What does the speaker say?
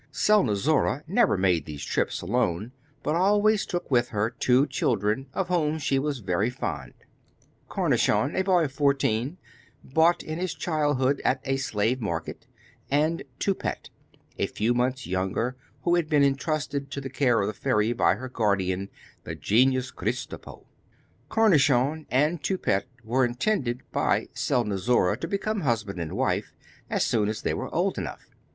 Selnozoura never made these trips alone, but always took with her two children, of whom she was very fond Cornichon, a boy of fourteen, bought in his childhood at a slave market, and Toupette, a few months younger, who had been entrusted to the care of the fairy by her guardian, the genius Kristopo. Cornichon and Toupette were intended by Selnozoura to become husband and wife, as soon as they were old enough.